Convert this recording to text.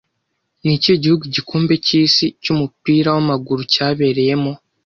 Ni ikihe gihugu Igikombe cy'isi cy'umupira w'amaguru cyabereyemo